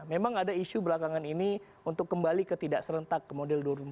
memang ada isu belakangan ini untuk kembali ke tidak serentak ke model dua ribu dua puluh